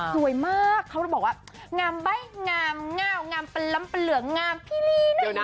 สวยมากเขาเลยบอกว่างามใบ้งามง่าวงามเป็นล้ำเป็นเหลืองงามพี่ลีน่า